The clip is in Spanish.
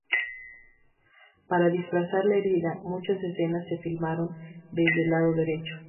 Para disfrazar la herida, muchas escenas se filmaron desde el lado derecho.